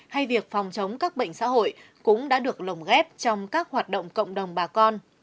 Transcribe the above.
hay việc phòng chống các bệnh xã hội cũng đã được lồng ghép trong các hoạt động cộng đồng bà con